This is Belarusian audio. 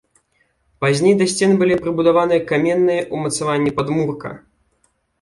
Пазней да сцен былі прыбудаваны каменныя ўмацаванні падмурка.